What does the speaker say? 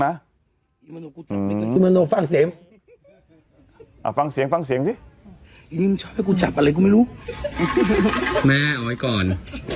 ให้กูจับอะไรกูไม่รู้แม่เอาไว้ก่อน